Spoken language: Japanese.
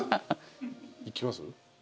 いきます？